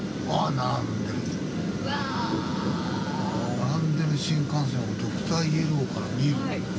並んでる新幹線をドクターイエローから見るっていうね。